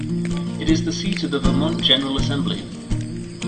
It is the seat of the Vermont General Assembly.